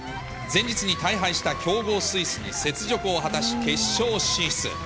前日に大敗した強豪スイスに雪辱を果たし、決勝進出。